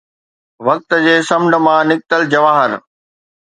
وقت جي سمنڊ مان نڪتل جواهر